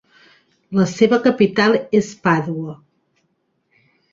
La seva capital és Pàdua.